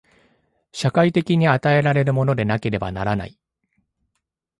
社会的に与えられるものでなければならない。